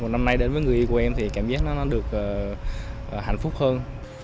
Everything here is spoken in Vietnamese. năm nay đến với người y của em thì cảm giác nó được hạnh phúc hơn